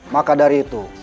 maka dari itu